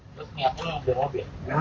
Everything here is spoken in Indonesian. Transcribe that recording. lepas ini aku mau beli mobil